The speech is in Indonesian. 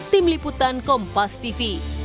tim liputan kompas tv